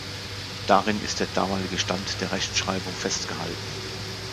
Darin ist der damalige Stand der Rechtschreibung festgehalten.